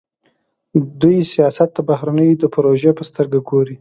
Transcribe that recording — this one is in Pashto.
دوی سیاست د بهرنیو د پروژې په سترګه ګوري.